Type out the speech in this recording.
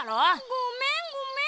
ごめんごめん。